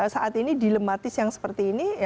saat ini dilematis yang seperti ini